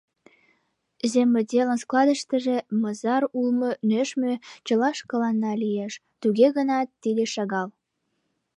Земотделын складыштыже мызар улшо нӧшмӧ чыла шкаланна лиеш, туге гынат тиде шагал.